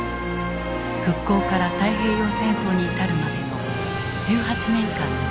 復興から太平洋戦争に至るまでの１８年間の記録である。